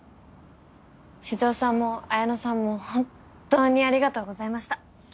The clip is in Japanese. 所長さんも綾乃さんも本当にありがとうございました。